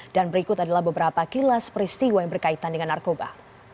dan berikut adalah beberapa kilas peristiwa yang berkaitan dengan narkoba